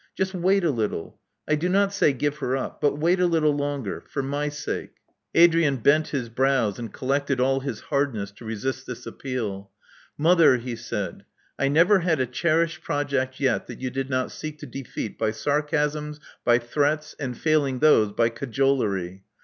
Just wait a little. I do not say *give her up.* But wait a little longer. For my sake. *' Love Among the Artists 221 Adrian bent his brows and collected all his hardness to resist this appeal. Mother," he said: I never had a cherished project yet that you did not seek to defeat by sarcasms, by threats, and failing those, by cajolery.